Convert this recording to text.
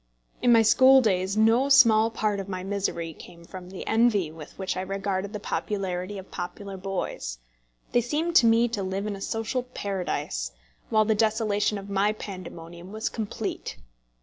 In my school days no small part of my misery came from the envy with which I regarded the popularity of popular boys. They seemed to me to live in a social paradise, while the desolation of my pandemonium was complete.